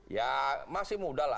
ya masih muda lah